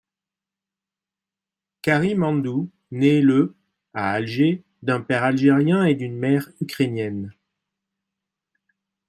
Karim Hendou naît le à Alger d'un père algérien et d'une mère ukrainienne.